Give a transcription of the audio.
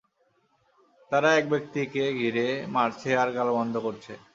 তারা এক ব্যক্তিকে ঘিরে মারছে আর গালমন্দ করছে।